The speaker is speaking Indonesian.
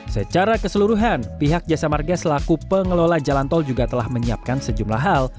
secara keseluruhan pihak jasa marga selaku pengelola jalan tol juga telah menyiapkan sejumlah hal